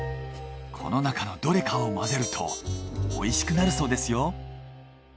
この中のどれかを混ぜると美味しくなるそうですよ。